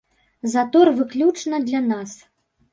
Затор выключна для нас.